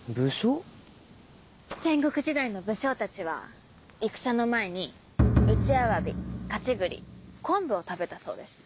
戦国時代の武将たちは戦の前に打ちアワビかち栗昆布を食べたそうです。